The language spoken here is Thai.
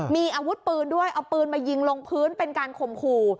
มีอาวุธปืนด้วยเอาปืนมายิงลงพื้นเป็นการข่มขู่